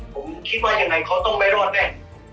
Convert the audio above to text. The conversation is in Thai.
ผมคิดว่ายังไงเขาต้องไม่รอดแน่